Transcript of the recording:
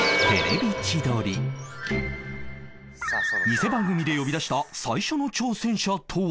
偽番組で呼び出した最初の挑戦者とは？